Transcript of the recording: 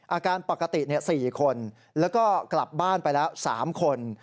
อาการปกติ๔คนแล้วก็กลับบ้านไปแล้ว๓คน